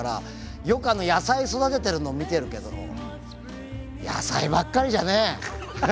よく野菜育ててるのを見てるけど野菜ばっかりじゃね。